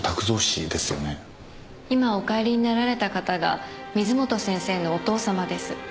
今お帰りになられた方が水元先生のお父様です。